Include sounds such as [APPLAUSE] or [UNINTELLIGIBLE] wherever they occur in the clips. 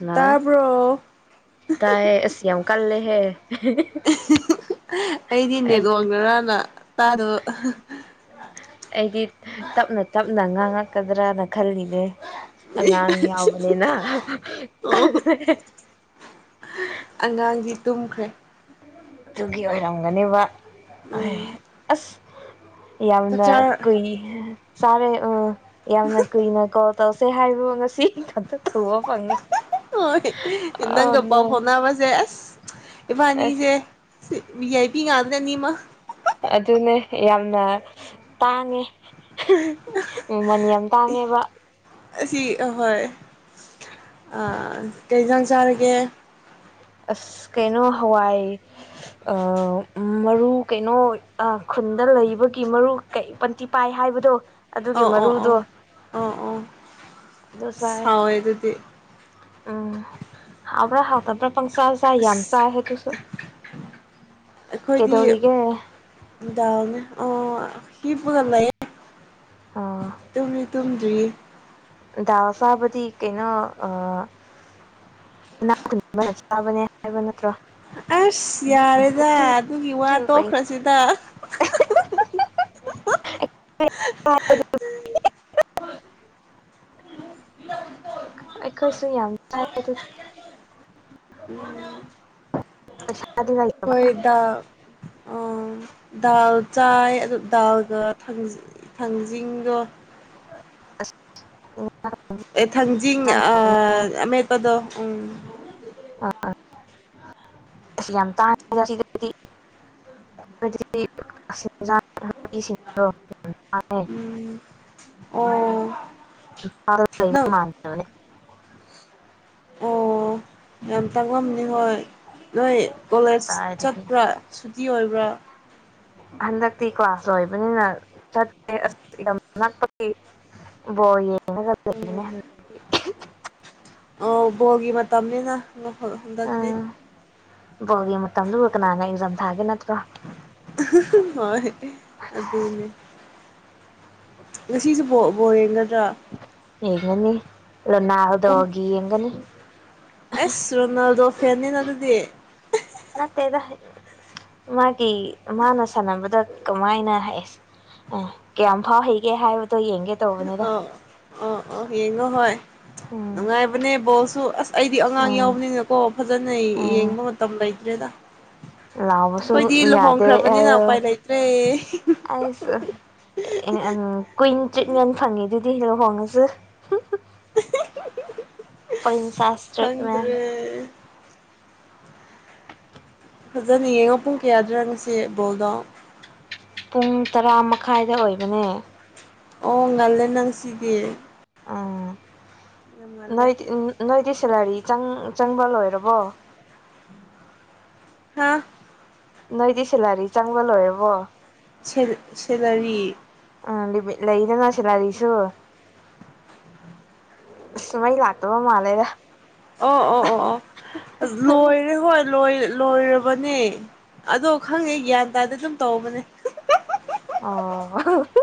ꯂ ꯇꯥꯕ꯭ꯔꯣ ꯇꯥꯏꯌꯦ ꯑꯁ ꯌꯥꯝ ꯀꯜꯂꯦꯍꯦ ꯑꯩꯗꯤ ꯅꯦꯂꯣꯡꯗꯔꯅ ꯇꯥꯗꯣ ꯑꯩꯗꯤ ꯇꯞꯅ ꯇꯞꯅ ꯉꯥꯡꯉꯛꯀꯗ꯭ꯔꯅ ꯈꯜꯂꯤꯅꯦ ꯑꯉꯥꯡ ꯌꯥꯎꯕꯅꯤꯅ ꯑꯣ ꯑꯉꯥꯡꯗꯤ ꯇꯨꯝꯈ꯭ꯔꯦ ꯑꯗꯨꯒꯤ ꯑꯣꯏꯔꯝꯒꯅꯦꯕ ꯎꯝ ꯑꯁ ꯌꯥꯝꯅ ꯆꯥꯛꯆꯥꯔ ꯀꯨꯏ ꯆꯥꯔꯦ ꯎ ꯌꯥꯝꯅ ꯀꯨꯏꯅ ꯀꯣ ꯇꯧꯁꯦ ꯍꯥꯏꯕꯨ ꯉꯁꯤ ꯈꯛꯇꯥ ꯊꯩꯕ ꯐꯪꯉꯦ ꯍꯣꯏ ꯑ ꯅꯪꯒ ꯄꯥꯎ ꯅꯪ ꯐꯥꯎꯅꯕꯁꯦ ꯑꯁ ꯑꯁ ꯏꯕꯥꯅꯤꯁꯦ ꯕꯤ ꯑꯥꯏ ꯄꯤ ꯉꯥꯛꯇꯥꯅꯦ ꯑꯗꯨꯅꯦ ꯌꯥꯝꯅ ꯇꯥꯡꯉꯦ ꯃꯥꯃꯟ ꯌꯥꯝ ꯇꯥꯡꯉꯦꯕ ꯑꯁꯤ ꯑꯍꯣꯏ ꯀꯩ ꯖꯥꯡ ꯆꯥꯔꯒꯦ ꯑꯁ ꯀꯩꯅꯣ ꯍꯋꯥꯏ ꯑ ꯃꯔꯨ ꯀꯩꯅꯣ ꯈꯨꯟꯗ ꯂꯩꯕꯒꯤ ꯃꯔꯨ ꯀꯩ ꯄꯟꯇꯤ ꯄꯥꯏ ꯍꯥꯏꯕꯗꯣ ꯑꯗꯨꯒꯤ ꯑꯧ ꯑꯧ ꯑꯧ ꯃꯔꯨꯗꯣ ꯑꯣ ꯑꯗꯨ ꯆꯥꯏ ꯑꯣꯏꯣꯏ ꯑꯗꯨꯗꯤ ꯎꯝ ꯍꯥꯎꯕ꯭ꯔꯥ ꯍꯥꯎꯇꯕ꯭ꯔꯥ ꯄꯪꯆꯥꯥ ꯆꯥ ꯌꯥꯝ ꯑꯁ ꯆꯥꯏꯍꯦ ꯑꯗꯨꯁꯨ ꯑꯩꯈꯣꯏꯗꯤ ꯀꯩꯗꯧꯔꯤꯒꯦ ꯗꯥꯜꯅꯦ ꯑꯥ ꯍꯤꯐꯄꯒ ꯂꯩꯌꯦ ꯑꯥ ꯇꯨꯝꯗꯤ ꯇꯨꯝꯗ꯭ꯔꯤ ꯗꯥꯎ ꯆꯥꯕꯗꯤ ꯀꯩꯅꯣ ꯑ ꯏꯅꯥꯗꯨꯅꯤ ꯑꯃꯅ ꯆꯥꯕꯅꯦ ꯍꯥꯏꯕ ꯅꯠꯇ꯭ꯔꯣ ꯑꯁ ꯌꯥꯔꯦꯗ ꯑꯗꯨꯒꯤ ꯋꯥ ꯇꯣꯛꯈ꯭ꯔꯁꯤꯗ [UNINTELLIGIBLE] ꯑꯩꯈꯣꯏꯁꯨ ꯌꯥꯝ ꯆꯥꯏ ꯑꯗꯨꯗꯤ ꯄꯩꯁꯥꯗꯤ ꯂꯩ ꯑꯣꯏꯣꯏꯗ [INAUDIBLE] ꯗꯥꯜ ꯆꯥꯏ ꯑꯗꯨ ꯗꯥꯜꯒꯥ ꯊꯥꯡꯖꯤꯡꯒ ꯑꯦ ꯊꯥꯡꯖꯤꯡ ꯑꯃꯦꯠꯄꯗꯣ ꯎꯝ ꯑ ꯑ ꯑ ꯌꯥꯝ ꯇꯥꯡꯉꯗꯗꯤ [UNINTELLIGIBLE] ꯎꯝ [UNINTELLIGIBLE] ꯑꯣ ꯅꯪ ꯑꯅꯦ ꯑꯣ ꯌꯥꯝ ꯇꯥꯉꯝꯅꯤ ꯍꯣꯏ ꯅꯣꯏ ꯀꯣꯂꯦꯖ ꯀꯗꯥꯏꯗꯒꯤ ꯆꯠꯄ꯭ꯔꯥ ꯁꯨꯇꯤ ꯑꯣꯏꯕ꯭ꯔꯥ ꯍꯟꯗꯛꯇꯤ ꯀ꯭ꯂꯥꯁ ꯂꯣꯏꯕꯅꯤꯅ ꯆꯠꯇꯦ ꯑꯁ ꯌꯥꯝ ꯂꯞꯄꯒꯤ ꯋꯦ ꯎꯝ ꯑꯣ ꯕꯣꯜꯒꯤ ꯃꯇꯝꯅꯤꯅ ꯍꯟꯗꯛꯇꯤ ꯎꯝ ꯕꯣꯜꯒꯤ ꯃꯇꯝꯗꯨ ꯀꯅꯥꯅ ꯑꯦꯛꯖꯥꯝ ꯊꯥꯒꯦ ꯅꯠꯇ꯭ꯔꯥ ꯍꯣꯏ ꯑꯗꯨꯅꯦ ꯉꯁꯤꯁꯨ ꯕꯣꯜ ꯌꯦꯡꯒꯗ꯭ꯔꯥ ꯌꯦꯡꯒꯅꯤ ꯂꯣ ꯄꯨꯡ ꯅꯥꯎꯗꯒꯤ ꯌꯦꯡꯒꯅꯤ ꯑꯁ ꯔꯣꯅꯥꯜꯗꯣ ꯐꯦꯅꯤꯅ ꯑꯗꯨꯗꯤ ꯅꯠꯇꯦꯗ ꯃꯥꯒꯤ ꯃꯥꯅ ꯁꯥꯟꯅꯕꯗ ꯀꯃꯥꯏꯅ ꯍꯥꯏꯁ ꯑꯦ ꯀꯌꯥꯝ ꯐꯥꯎ ꯍꯩꯒꯦ ꯍꯥꯏꯕꯗꯣ ꯌꯦꯡꯒꯦ ꯇꯧꯕꯅꯤꯗ ꯑꯣ ꯑꯣ ꯑꯣ ꯍꯡꯉꯣ ꯍ ꯎꯝ ꯅꯨꯡꯉꯥꯏꯕꯅꯦ ꯣꯁꯨ ꯑꯁ ꯑꯩꯗꯤ ꯑꯉꯥꯡ ꯎꯝ ꯌꯥꯎꯕꯅꯤꯅꯀꯣ ꯐꯖꯅ ꯎꯝ ꯌꯦꯡꯕ ꯃꯇꯝ ꯂꯩꯇ꯭ꯔꯦꯗ ꯂꯥꯎꯕꯁꯨ ꯑꯩꯈꯣꯏꯗꯤ ꯌꯥꯗꯦ ꯂꯨꯍꯣꯡꯈ꯭ꯔꯕꯅꯤꯅ ꯎꯄꯥꯏ ꯂꯩꯇ꯭ꯔꯦ ꯑꯩꯁꯨ ꯀꯨꯏꯟ ꯇ꯭ꯔꯤꯠꯃꯦꯟ ꯐꯪꯉꯤꯗꯨꯗꯤ ꯂꯨꯍꯣꯡꯉꯁꯨ ꯄꯔꯤꯟꯁꯦꯁ ꯇꯔꯤꯠꯃꯦꯜ ꯈꯪꯗ꯭ꯔꯦ ꯐꯖꯅ ꯌꯦꯡꯉꯨ ꯄꯨꯡ ꯀꯌꯥꯗ꯭ꯔꯥ ꯉꯁꯤ ꯕꯣꯜꯗꯣ ꯄꯨꯡ ꯇꯔꯥ ꯃꯈꯥꯏꯗ ꯑꯣꯏꯕꯅꯦ ꯑꯣ ꯉꯜꯂꯦ ꯅꯪꯁꯤꯗꯤ ꯎꯝ ꯌꯥꯝ ꯉꯜꯂꯦ ꯅꯣꯏꯗꯤ ꯎꯝ ꯅꯣꯏꯗꯤ ꯁꯦꯂꯔꯤ ꯆꯪ ꯆꯪꯕ ꯂꯣꯏꯔꯕꯣ ꯍꯥꯥ ꯅꯣꯏꯗꯤ ꯁꯤꯜꯂꯥꯔꯤ ꯆꯪꯕ ꯂꯣꯏꯔꯕꯣ ꯁꯦꯜ ꯁꯦꯂꯔꯤ ꯎ ꯂꯤꯃꯤꯠ ꯂꯩꯗꯅ ꯁꯤꯂꯔꯤꯁꯨ ꯑꯁ ꯃꯩ ꯂꯥꯛꯇꯕ ꯃꯥꯂꯦꯗ ꯑꯣ ꯑꯣ ꯑꯣ ꯑꯣ ꯑꯁ ꯂꯣꯏꯔꯦ ꯍꯣꯜ ꯂꯣꯏꯔꯕꯅꯦ ꯑꯗꯣ ꯈꯪꯉꯦ ꯒ꯭ꯌꯥꯟ ꯇꯥꯗ ꯑꯗꯨꯝ ꯇꯧꯕꯅꯦ ꯑꯥ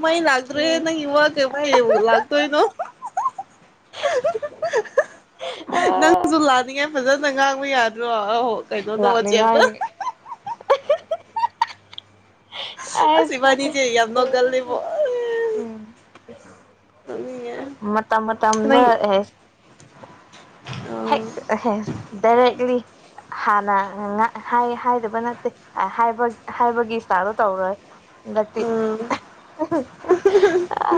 ꯃꯩ ꯂꯥꯛꯇ꯭ꯔꯦ ꯅꯪꯒꯤ ꯋꯥꯁꯦ ꯃꯥꯏ ꯂꯥꯛꯇꯣꯏꯅꯣ ꯑꯥ ꯅꯪꯖꯨ ꯂꯥꯑꯟꯅꯤꯡꯉꯦ ꯐꯖꯅ ꯉꯥꯡꯕ ꯌꯥꯗ꯭ꯔꯣ ꯑ ꯀꯩꯅꯣꯗ ꯋꯆꯦꯞꯇ ꯂꯥꯛꯅꯤꯡꯉꯥꯏ ꯑꯁ ꯑꯁꯨ ꯏꯕꯥꯅꯤꯁꯦ ꯌꯥꯝ ꯅꯣꯛꯒꯜꯂꯦꯕꯣ ꯎꯝ ꯎꯝ ꯅꯣꯛꯅꯤꯡꯉꯦ ꯃꯇꯝ ꯃꯇꯝꯗ ꯅꯪ ꯑꯦ ꯍꯦꯁ ꯑꯥ ꯍꯦꯛ ꯑꯦ ꯍꯦꯁ ꯗꯥꯏꯔꯦꯛꯂꯤ ꯍꯥꯟꯅ ꯉꯥꯛ ꯍꯥꯏ ꯍꯥꯏꯗꯕ ꯅꯠꯇꯦ ꯑꯍꯥꯏꯕ ꯍꯥꯏꯕꯒꯤ ꯏꯁꯇꯥꯏꯜꯗꯣ ꯇꯧꯔꯣꯏ ꯍꯟꯗꯛꯇꯤ ꯑꯥ ꯑ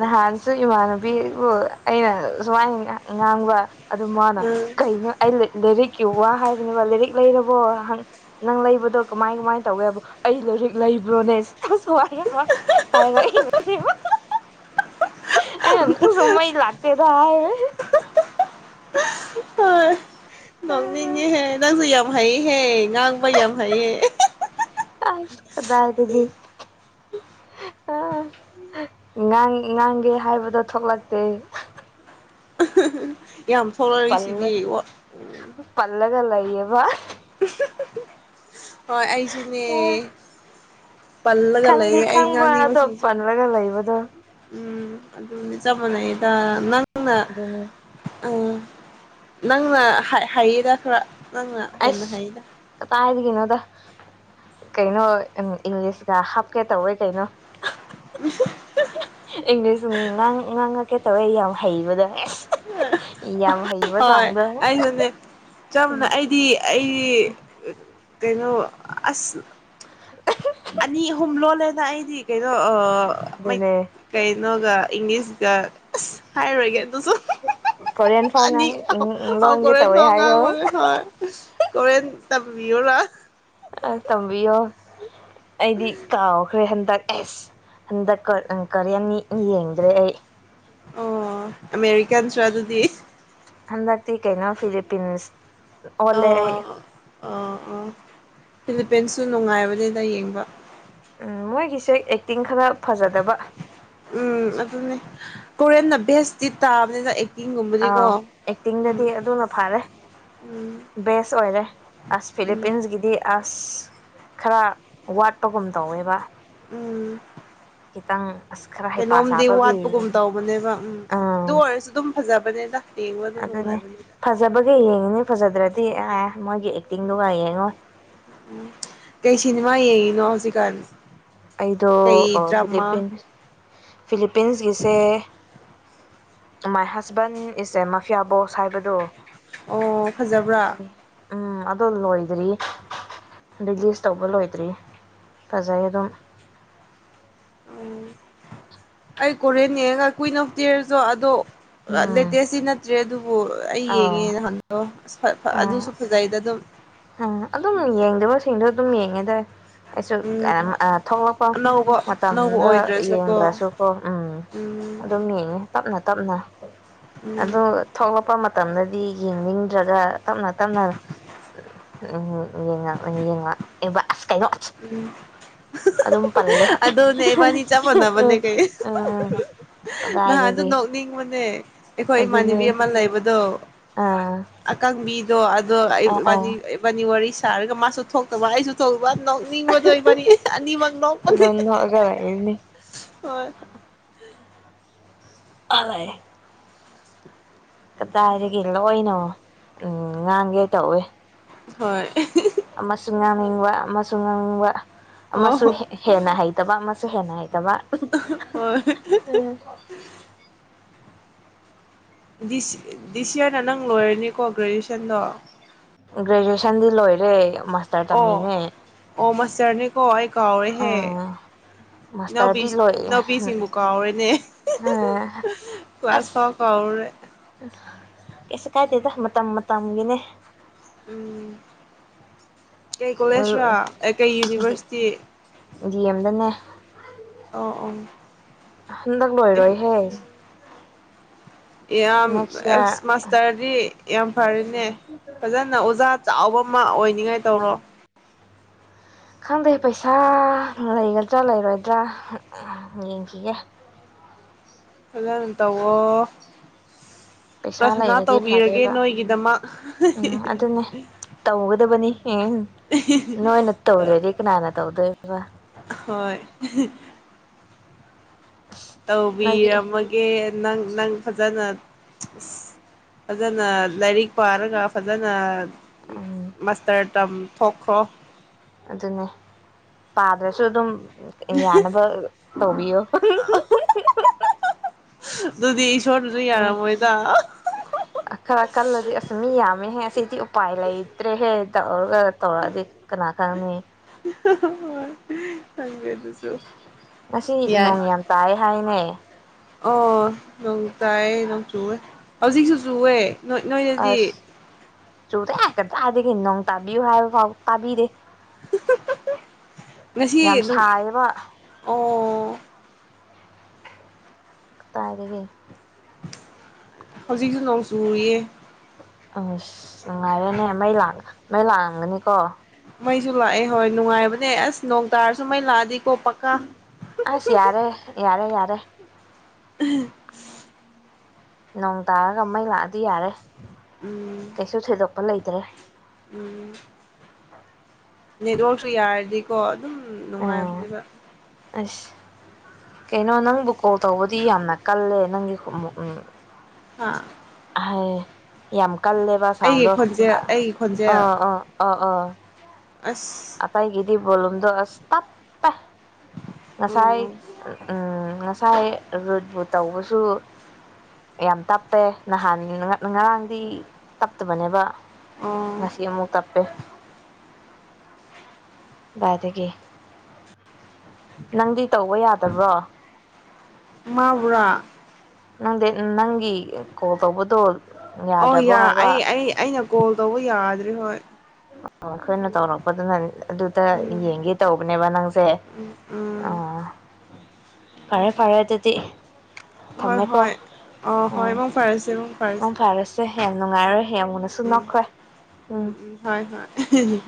ꯅꯍꯥꯟ ꯆꯨ ꯏꯃꯥꯟꯅꯕꯤꯕꯨ ꯑꯩꯅ ꯁꯨꯃꯥꯏꯅ ꯉꯥꯡꯕ ꯑꯗꯨ ꯃꯥꯅ ꯀꯩꯅꯣ ꯑꯩ ꯂꯩ ꯂꯥꯏꯔꯤꯛꯀꯤ ꯋꯥ ꯍꯥꯏꯕꯅꯦꯕ ꯂꯥꯏꯔꯤꯛ ꯂꯩꯔꯕꯣ ꯍꯪ ꯅꯪ ꯂꯩꯕꯗꯣ ꯀꯃꯥꯏ ꯀꯃꯥꯏꯅ ꯇꯧꯒꯦ ꯍꯥꯏꯕ ꯑꯩ ꯂꯥꯏꯔꯤꯛ ꯂꯩꯕ꯭ꯔꯣꯅꯦꯖ ꯑꯁ ꯁꯨꯃꯥꯏꯅ ꯍꯥ ꯍꯥꯏꯔꯛꯏꯕ ꯑꯩꯅ ꯅꯪꯁꯨ ꯃꯩ ꯂꯥꯛꯇꯦ ꯗ ꯍꯥꯏꯕꯩ ꯍꯣꯏ ꯅꯣꯛꯅꯤꯡꯉꯤꯍꯦ ꯅꯪꯖꯨ ꯌꯥꯝ ꯍꯩꯍꯦ ꯉꯥꯡꯕ ꯑꯃ ꯍꯩꯌꯦ ꯑꯩꯁ ꯀꯗꯥꯏꯗꯒꯤ ꯥꯑꯥ ꯉꯥꯡ ꯉꯥꯡꯒꯦ ꯍꯥꯏꯕꯗꯣ ꯊꯣꯛꯂꯛꯇꯦ ꯌꯥꯝ ꯄꯜꯂ ꯊꯣꯛꯂꯛꯏꯁꯤꯗꯤ ꯄꯜꯂꯒ ꯂꯩꯌꯦꯕ ꯍꯣꯏ ꯑꯩꯁꯨꯅꯦ ꯄꯜꯂꯒ ꯂꯩꯌꯦ ꯑꯩ ꯉꯥꯡꯅꯤꯡꯕꯁꯤꯡꯁꯨ ꯔꯒ ꯂꯩꯕꯗꯣ ꯎꯝ ꯑꯗꯨꯅꯤ ꯆꯞ ꯃꯥꯟꯅꯩꯗ ꯅꯪꯅ ꯑꯗꯨꯅꯤ ꯑꯪ ꯅꯪꯅ ꯍꯩ ꯍꯩꯌꯦꯗ ꯈꯔ ꯅꯪꯅ ꯍꯦꯟꯅ ꯑꯁ ꯍꯩꯗ ꯀꯇꯥꯏꯗꯒꯤꯅꯣꯗ ꯀꯩꯅꯣ ꯑꯝ ꯏꯪꯂꯤꯁꯇ ꯍꯥꯞꯀꯦ ꯇꯧꯋꯦ ꯀꯩꯅꯣ [UNINTELLIGIBLE] ꯏꯪꯂꯤꯁ ꯁꯨꯝ ꯉꯥꯡꯉꯛ ꯉꯥꯡꯉꯛꯀꯦ ꯇꯧꯋꯦ ꯌꯥꯝ ꯍꯩꯕꯗꯣ ꯑꯦꯁ ꯌꯥꯝ ꯍꯩ ꯍꯣꯏ ꯑꯩꯁꯨꯅꯦ ꯆꯝꯅ ꯎꯝ ꯑꯩꯗꯤ ꯑꯩ ꯀꯩꯅꯣ ꯑꯁ ꯑꯅꯤ ꯑꯍꯨꯝ ꯂꯣꯜꯂꯦꯗ ꯑꯩꯗꯤ ꯀꯩꯅꯣ ꯑ ꯑꯗꯨꯅꯦ ꯀꯩꯅꯣꯒ ꯏꯪꯂꯤꯁꯒ ꯑꯁ ꯍꯥꯏꯔꯣꯏꯒꯦ ꯑꯗꯨꯁꯨ ꯀꯣꯔꯤꯌꯟ ꯐꯥꯎ ꯉꯥꯡ ꯂꯣꯟꯒꯦ ꯇꯧꯋꯦ ꯑꯅꯤꯈ ꯍꯥꯏꯌꯣ [UNINTELLIGIBLE] ꯀꯣꯔꯦꯟ ꯇꯝꯕꯤꯌꯨꯂꯥ ꯑꯩ ꯇꯝꯕꯤꯌꯣ ꯑꯩꯗꯤ ꯀꯥꯎꯈ꯭ꯔꯦ ꯍꯟꯗꯛ ꯑꯦꯁ ꯍꯟꯗꯛ ꯀꯣ ꯎꯪ ꯀꯔꯤꯌꯔꯅꯤ ꯌꯦꯡꯗ꯭ꯔꯦ ꯑꯩ ꯑꯣ ꯑꯃꯦꯔꯤꯀꯥꯟꯁꯨ ꯑꯗꯨꯗꯤ ꯍꯟꯗꯛꯇꯤ ꯀꯩꯅꯣ ꯐꯤꯂꯤꯄꯤꯟꯁ ꯑꯣꯜꯂꯦ ꯑꯩ ꯑꯥ ꯑꯥ ꯐꯤꯂꯤꯄꯤꯟꯁꯨ ꯅꯨꯡꯉꯥꯏꯕꯅꯤꯗ ꯌꯦꯡꯕ ꯎꯝ ꯃꯣꯏꯒꯤꯁꯦ ꯑꯦꯛꯇꯤꯡ ꯈꯔ ꯐꯖꯗꯕ ꯎꯝ ꯑꯗꯨꯅꯦ ꯀꯣꯔꯟꯅ ꯚꯦꯁꯇꯤ ꯇꯥꯕꯅꯤꯅ ꯑꯥꯎ ꯑꯦꯛꯇꯤꯡꯒꯨꯝꯕꯗꯤꯀꯣ ꯎꯝ ꯑꯦꯛꯇꯤꯡꯗꯗꯤ ꯑꯗꯨꯅ ꯐꯔꯦ ꯎꯝ ꯕꯦꯁ ꯑꯣꯏꯔꯦ ꯑꯁ ꯎꯝ ꯐꯤꯂꯤꯄꯤꯟꯁꯀꯤꯗꯤ ꯑꯁ ꯈꯔ ꯋꯥꯠꯄꯒꯨꯝ ꯇꯧꯋꯦꯕ ꯎꯝ ꯈꯤꯇꯪ ꯑꯁ ꯈꯔ ꯍꯩꯄꯥ ꯀꯩꯅꯣꯝꯗꯤ ꯁꯥꯕꯒꯤ ꯋꯥꯠꯄꯒꯨꯝ ꯇꯧꯕꯅꯦꯕ ꯎꯝ ꯑꯗꯨ ꯑꯥ ꯑꯣꯏꯔꯁꯨ ꯑꯗꯨꯝ ꯐꯖꯥꯕꯅꯦ ꯗꯥꯛ ꯌꯦꯡꯕ ꯑꯗꯨ ꯅꯨꯡꯉꯥꯏꯕꯅꯤꯗ ꯐꯖꯕꯒ ꯌꯦꯡꯉꯤꯅꯤ ꯐꯖꯗ꯭ꯔꯗꯤ ꯑꯦ ꯃꯣꯏꯒꯤ ꯑꯦꯛꯇꯤꯡꯗꯨꯒ ꯌꯦꯡꯉꯣꯏ ꯎ ꯀꯩ ꯁꯤꯅꯦꯃꯥ ꯌꯦꯅ ꯍꯧꯁꯤꯀꯔ ꯑꯩꯗꯣ ꯐꯤꯂꯤꯞꯄꯤꯟꯁ ꯐꯤꯂꯤꯞꯄꯤꯟꯁꯒꯤꯁꯦ ꯃꯥꯏ ꯍꯁꯕꯦꯟ ꯏꯁꯦ ꯃꯥꯐꯤꯌꯥ ꯕꯣꯁ ꯍꯥꯏꯕꯗꯣ ꯑꯣ ꯑꯗꯨ ꯐꯖꯕ꯭ꯔꯥ ꯎꯝ ꯑꯣ ꯂꯣꯏꯗ꯭ꯔꯤ ꯔꯤꯂꯤꯁ ꯇꯧꯕ ꯂꯣꯏꯗ꯭ꯔꯤ ꯐꯖꯩ ꯑꯗꯨꯝ ꯎꯝ ꯑꯩ ꯀꯣꯔꯦꯟꯅꯤꯒ ꯀꯨꯏꯤꯟ ꯑꯣꯐ ꯇꯦꯌꯔꯁꯨꯣ ꯑꯗꯣ ꯎꯝ ꯂꯦꯇꯦꯁꯁꯤ ꯅꯠꯇ꯭ꯔꯦ ꯑꯗꯨꯕꯨ ꯑꯩ ꯑꯥꯎ ꯌꯦꯡꯉꯦꯅ ꯑꯣ ꯑꯗꯨꯁꯨ ꯐꯖꯩꯗ ꯑꯗꯨꯝ ꯝ ꯑꯗꯨꯝ ꯌꯦꯡꯗꯕꯁꯤꯡꯗꯣ ꯑꯗꯨꯝ ꯌꯦꯡꯉꯦꯗꯏ ꯑꯩꯁꯨ ꯎꯝ ꯊꯣꯛꯂꯛꯄ ꯑꯅꯧꯕ ꯑꯅꯧꯕ ꯃꯇꯝꯗ ꯑꯣꯏꯗ꯭ꯔꯁꯨꯀꯣ ꯌꯦꯡꯗ꯭ꯔꯁꯨꯀꯣ ꯎꯝ ꯎꯝ ꯑꯗꯨꯝ ꯌꯦꯡꯉꯦ ꯇꯞꯅ ꯇꯞꯅ ꯎꯝ ꯑꯗꯨ ꯊꯣꯛꯂꯛꯄ ꯃꯇꯝꯗꯗꯤ ꯌꯦꯡꯅꯤꯡꯗ꯭ꯔꯒ ꯇꯞꯅ ꯇꯞꯅ ꯎ ꯎꯝ ꯌꯦꯡꯉ ꯎ ꯌꯦꯡꯉ ꯌꯦꯡꯕ ꯑꯁ ꯀꯩꯅꯣ ꯎꯝ ꯑꯗꯨ ꯑꯗꯨꯝ ꯄꯟꯂꯦ ꯑꯗꯨꯅꯦ ꯏꯕꯥꯅꯤ ꯆꯞ ꯎ ꯃꯥꯟꯅꯕꯅꯦ ꯀꯩ ꯎꯝ ꯑꯗꯨꯗꯥꯏꯅꯗꯒꯤ ꯅꯤꯡꯕꯅꯦ ꯑꯩꯈꯣꯏ ꯏꯃꯥꯟꯅꯕꯤ ꯑꯃ ꯂꯩꯕꯗꯣ ꯑꯝ ꯑꯀꯪꯕꯤꯗꯣ ꯑꯗꯣ ꯏꯕꯥꯅꯤ ꯋꯥꯔꯤ ꯁꯥꯔꯒ ꯃꯥꯁꯨ ꯊꯣꯛꯇꯕ ꯑꯩꯁꯨ ꯊꯣꯛꯇꯕ ꯅꯤꯡꯕꯗꯣ ꯏꯕꯅꯤ ꯅꯤꯡꯃꯛ ꯅꯣꯛꯄꯅꯤ ꯑꯗꯨꯝ ꯅꯣꯛꯑꯒ ꯂꯩꯔꯅꯤ ꯍꯣꯏ ꯑꯂ ꯀꯗꯥꯏꯗꯒꯤ ꯂꯣꯏꯅ ꯎꯝ ꯉꯥꯡꯒꯦ ꯇꯧꯏꯦ ꯍꯣꯏ ꯑꯃꯁꯨ ꯉꯥꯡꯅꯤꯡꯕ ꯑꯃꯁꯨ ꯉꯥꯡꯅꯤꯡꯕ ꯑꯃꯁꯨ ꯑꯣ ꯍꯦꯟꯅ ꯍꯩꯇꯕ ꯑꯃꯁꯨ ꯍꯦꯟꯅ ꯍꯩꯇꯕ ꯍꯣꯏ ꯗꯤ ꯁꯤꯌꯥꯔꯅ ꯅꯪ ꯂꯣꯏꯔꯅꯤꯀꯣ ꯒ꯭ꯔꯦꯖꯨꯑꯦꯁꯟꯗꯣ ꯒ꯭ꯔꯦꯖꯨꯑꯦꯁꯟꯗꯤ ꯂꯣꯏꯔꯦ ꯑꯣ ꯇꯝꯃꯤꯅꯦ ꯑꯣ ꯃꯥꯇꯔꯅꯦ ꯀꯣ ꯑꯩ ꯀꯥꯎꯔ‌ꯦꯍꯦ ꯑꯥ ꯃꯥꯁꯇꯔꯗꯤ ꯂꯣꯏ ꯏꯅꯥꯎꯄꯤ-ꯏꯅꯥꯎꯄꯤ ꯁꯤꯡꯕꯨ ꯀꯥꯎꯔꯦꯅꯦ ꯀꯂꯥꯁ ꯐꯥꯎ ꯀꯥꯎꯔꯦ ꯎ ꯀꯩꯁꯨꯁꯨ ꯀꯥꯏꯗꯦꯗ ꯃꯇꯝ ꯃꯇꯝꯒꯤꯅꯦ ꯎꯝ ꯀꯩ ꯀꯣꯂꯦꯖꯔ ꯀꯩ ꯌꯨꯅꯤꯚꯔꯁꯤꯇꯤ ꯗꯤ ꯑꯦꯝꯗꯅꯦ ꯑ ꯑ ꯍꯨꯗꯥꯛ ꯂꯣꯏꯔꯣꯏꯍꯦ ꯌꯥꯝ ꯅꯦꯛꯁ ꯑꯦꯛꯁ ꯏꯌꯥꯔ ꯃꯥꯁꯇꯔꯗꯤ ꯌꯥꯝ ꯐꯔꯦꯅꯦ ꯐꯖꯅ ꯑꯣꯖꯥ ꯆꯥꯎꯕ ꯑꯃ ꯑꯣꯏꯅꯤꯉꯥꯏ ꯇꯧꯔ‌ꯣ ꯈꯪꯗꯦ ꯄꯩꯁꯥ ꯂꯩꯒꯗ꯭ꯔꯥ ꯂꯩꯔꯣꯏꯗ꯭ꯔꯥ ꯌꯦꯡꯈꯤꯒꯦ ꯐꯖꯅ ꯇꯧꯑ‍ꯣ ꯄꯩꯁꯥ ꯄ꯭ꯔꯊꯅꯥ ꯂꯩꯔꯗꯤ ꯇꯧꯕꯤꯔꯒꯦ ꯐꯗꯣꯏꯕ ꯅꯣꯏꯒꯤꯗꯃꯛ ꯎꯝ ꯑꯗꯨꯅꯦ ꯇꯧꯒꯗꯕꯅꯤ ꯎꯝ ꯅꯣꯏꯅ ꯇꯧꯗ꯭ꯔꯗꯤ ꯀꯅꯥꯅ ꯇꯧꯗꯣꯏꯕ ꯍꯣꯏ ꯅꯣꯏꯗꯤ ꯇꯧꯕꯤꯔꯝꯃꯒꯦ ꯅꯪ ꯅꯪ ꯐꯖꯅ ꯑꯁ ꯐꯖꯅ ꯂꯥꯏꯔꯤꯛ ꯄꯥꯔꯒ ꯐꯖꯅ ꯎꯝ ꯃꯥꯁꯇꯔ ꯇꯝꯊꯣꯛꯈ꯭ꯔꯣ ꯑꯗꯨꯅꯦ ꯄꯥꯗ꯭ꯔꯁꯨ ꯑꯗꯨꯝ ꯌꯥꯅꯕ ꯇꯧꯕꯤꯌꯣ ꯗꯨꯗꯤ ꯏꯁꯣꯔꯅꯁꯨ ꯎꯝ ꯌꯥꯔꯝꯃꯣꯏꯗ ꯈꯔ ꯀꯜꯂꯗꯤ ꯑꯁ ꯃꯤ ꯌꯥꯝꯃꯦꯍꯦ ꯑꯁꯤꯗꯤ ꯎꯄꯥꯏ ꯂꯩꯇ꯭ꯔꯦꯍꯦ ꯇꯧꯔꯒ ꯇꯧꯔꯛꯑꯗꯤ ꯀꯅꯥ ꯈꯪꯅꯤ ꯈꯪꯗꯦ ꯑꯗꯨꯁꯨ ꯉꯁꯤ ꯌꯥꯏ ꯅꯣꯡ ꯌꯥꯝ ꯇꯥꯏ ꯍꯥꯏꯅꯦ ꯑꯣ ꯅꯣꯡ ꯇꯥꯏ ꯅꯣꯡ ꯆꯨꯑꯦ ꯍꯧꯖꯤꯛꯁꯨ ꯆꯨꯑꯦ ꯑꯁ ꯆꯨꯗ‌ꯦ ꯀꯗꯥꯏꯗꯒꯤ ꯅꯣꯡ ꯇꯥꯕꯤꯌꯨ ꯍꯥꯏꯕ ꯐꯥꯎ ꯇꯥꯕꯤꯗ‌ꯦ [UNINTELLIGIBLE] ꯌꯥꯝ ꯅꯨꯡ ꯁꯥꯏꯌꯦꯕ ꯑꯣ ꯀꯗꯥꯏꯗꯒꯤ ꯍꯧꯖꯤꯛꯁꯨ ꯅꯣꯡ ꯆꯨꯔꯤꯌꯦ ꯑꯁ ꯉꯥꯏꯔꯦꯅꯦ ꯃꯩ ꯂꯥꯛ ꯃꯩ ꯂꯥꯛꯑꯝꯒꯅꯤꯀꯣ ꯃꯩꯁꯨ ꯂꯥꯛꯑꯦ ꯍꯣꯏ ꯅꯨꯡꯉꯥꯏꯕꯅꯦ ꯑꯁ ꯅꯣꯡ ꯇꯥꯔꯁꯨ ꯃꯩ ꯂꯥꯛꯑꯗꯤꯀꯣ ꯄꯛꯀꯥ ꯑꯁ ꯌꯥꯔꯦ ꯌꯥꯔꯦ ꯌꯥꯔꯦ ꯅꯣꯡ ꯇꯥꯔꯒ ꯃꯩ ꯂꯥꯛꯑꯗꯤ ꯌꯥꯔꯦ ꯎꯝ ꯀꯩꯁꯨ ꯊꯣꯏꯗꯣꯛꯄ ꯂꯩꯇ꯭ꯔꯦ ꯎꯝ ꯅꯦꯠꯋꯔꯥꯛꯛꯁꯨ ꯌꯥꯔꯗꯤꯀꯣ ꯑꯗꯨꯝ ꯎꯝ ꯅꯨꯡꯉꯥꯏꯕꯅꯦꯕ ꯑꯁ ꯀꯩꯅꯣ ꯅꯪꯕꯨ ꯀꯣꯜ ꯇꯧꯕꯗꯤ ꯌꯥꯝꯅ ꯀꯜꯂꯦ ꯅꯪꯒꯤ ꯑꯥ ꯍꯥꯏ ꯌꯥꯝ ꯀꯜꯂꯦꯕ ꯑꯩꯒꯤ ꯁꯥꯎꯟꯗꯣ ꯈꯣꯟꯖꯦꯜ ꯑꯥ ꯑꯩꯒꯤ ꯈꯣꯟꯖꯦꯜ ꯑꯥ ꯑꯥ ꯑꯥ ꯑꯁ ꯑꯇꯩꯒꯤꯗꯤ ꯕꯣꯂꯨꯝꯗꯣ ꯑꯁ ꯇꯞ ꯉꯁꯥꯏ ꯑꯣ ꯎꯝ ꯉꯁꯥꯏ ꯔꯤꯕꯨꯠ ꯇꯧꯕꯁꯨ ꯌꯥꯝ ꯇꯞꯄꯦ ꯅꯍꯥꯟ ꯉꯔꯥꯡꯗꯤ ꯇꯞꯇꯕꯅꯦꯕ ꯑꯣ ꯉꯁꯤꯃꯨꯛ ꯇꯞꯄꯦ ꯀꯗꯥꯏꯗꯒꯤ ꯅꯪꯗꯤ ꯇꯧꯕ ꯌꯥꯗꯕ꯭ꯔꯣ ꯃꯥꯕꯨꯔ ꯅꯪꯗꯤ ꯅꯪꯒꯤ ꯀꯣꯜ ꯇꯧꯕꯗꯣ ꯑꯣ ꯌꯥꯗ꯭ꯔꯕꯣ ꯌꯥ ꯍꯥꯏꯕ ꯑꯩ ꯑꯩ ꯑꯩꯅ ꯀꯣꯜ ꯇꯧꯕ ꯌꯥꯗ꯭ꯔꯤ ꯍꯣꯏ ꯑꯣ ꯑꯩꯈꯣꯏꯅ ꯇꯧꯔꯛꯄꯗꯨꯅꯤꯗꯅ ꯑꯗꯨꯗ ꯎꯝ ꯌꯦꯡꯒꯦ ꯇꯧꯕꯅꯦꯕ ꯅꯪꯁꯦ ꯎꯝ ꯎꯝ ꯑ ꯐꯔꯦ ꯐꯔꯦ ꯑꯗꯨꯗꯤ ꯍꯣꯏ ꯊꯝꯃꯦꯀꯣ ꯍꯣꯏ ꯑ ꯍꯣꯏ ꯎꯝ ꯃꯪ ꯐꯔꯁꯦ ꯃꯪ ꯎꯝ ꯐꯔꯁꯦ ꯌꯥꯝ ꯅꯨꯡꯉꯥꯏꯔꯦ ꯌꯥꯝꯅꯁꯨ ꯎꯝ ꯅꯣꯛꯈ꯭ꯔꯦ ꯎꯝ ꯎꯝ ꯍꯣꯏ ꯍꯣꯏ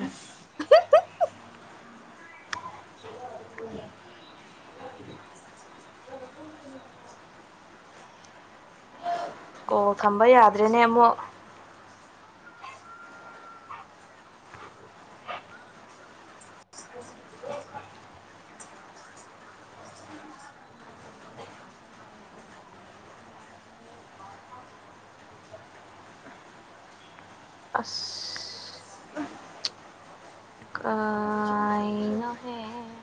[UNINTELLIGIBLE] ꯀ‌ꯣꯜ ꯊꯝꯕ ꯌꯥꯗ꯭ꯔꯦꯅꯦ ꯑꯃꯨꯛ [UNINTELLIGIBLE] ꯑꯁ ꯀꯩꯅ‌ꯣꯍ‌ꯦ